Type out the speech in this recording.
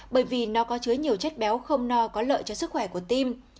bởi vì nó có chứa nhiều chất béo không no có lợi cho sức khỏe của tim